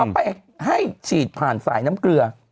ไปให้ฉีดผ่านสายน้ำเกลือ